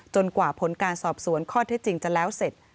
กว่าผลการสอบสวนข้อเท็จจริงจะแล้วเสร็จ